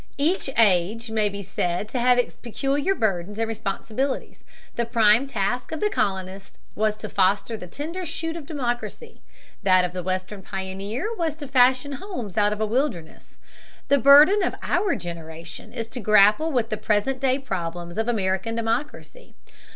Each age may be said to have its peculiar burdens and responsibilities: the prime task of the colonist was to foster the tender shoot of democracy; that of the western pioneer was to fashion homes out of a wilderness; the burden of our generation is to grapple with the present day problems of American democracy.